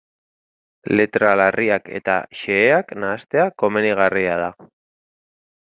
Letra larriak eta xeheak nahastea komenigarria da.